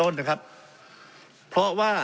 ในการที่จะระบายยาง